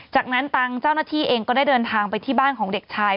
จากนั้นตังเจ้าหน้าที่เองก็ได้เดินทางไปที่บ้านของเด็กชาย